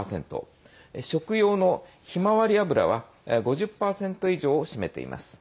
食用のひまわり油は５０％以上を占めています。